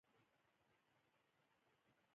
د بانکي خدمتونو په واسطه د خلکو وخت نه ضایع کیږي.